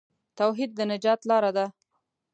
توحید د نجات لار ده.